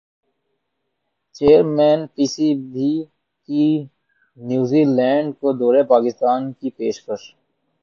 chairman PCB کی New Zealand کو دورہ پاکستان کی پیشکش